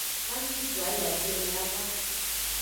Ma shi ju ayi afieme ava.